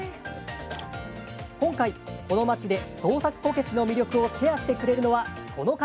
今回、この町で創作こけしの魅力をシェアしてくれるのはこの方。